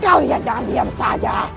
kalian jangan diam saja